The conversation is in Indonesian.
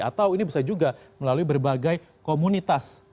atau ini bisa juga melalui berbagai komunitas